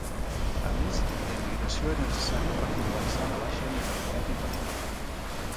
A més, la immigració era necessària per compensar la baixa natalitat italiana.